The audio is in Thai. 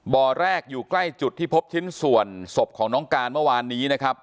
บ่อแรกอยู่ใกล้จุดที่พบชิ้นส่วนศพของน้องการเมื่อวานนี้นะครับ